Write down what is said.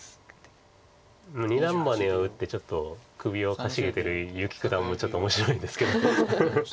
二段バネを打ってちょっと首をかしげてる結城九段もちょっと面白いんですけど。